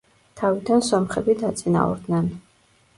თავიდან სომხები დაწინაურდნენ.